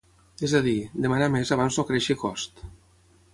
És a dir, demanar més abans no creixi cost.